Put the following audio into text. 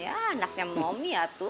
ya anaknya mami atu